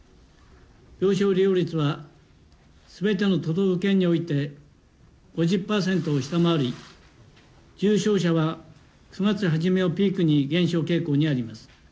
病床使用率はすべての都道府県において５０％を下回り、重症者は９月初めをピークに減少傾向にあります。